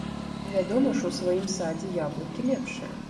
Вядома ж, у сваім садзе яблыкі лепшыя.